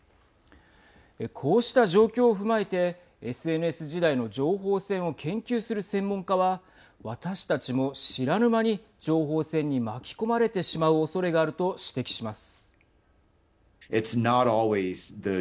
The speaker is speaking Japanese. こうした状況を踏まえてＳＮＳ時代の情報戦を研究する専門家は私たちも知らぬ間に情報戦に巻き込まれてしまうおそれがあると指摘します。